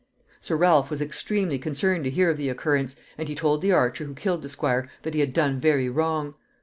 Sir Ralph was extremely concerned to hear of the occurrence, and he told the archer who killed the squire that he had done very wrong.